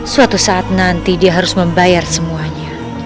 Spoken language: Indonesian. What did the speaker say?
suatu saat nanti dia harus membayar semuanya